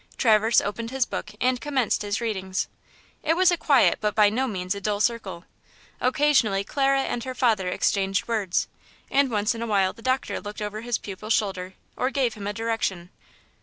Traverse opened his book and commenced his readings. It was a quiet but by no means a dull circle. Occasionally Clara and her father exchanged words, and once in a while the doctor looked over his pupil's shoulder or gave him a direction.